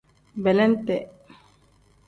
Belente.